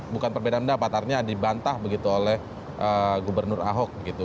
bukan perbedaan pendapat artinya dibantah begitu oleh gubernur ahok gitu